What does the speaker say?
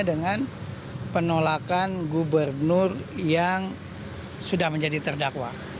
dengan penolakan gubernur yang sudah menjadi terdakwa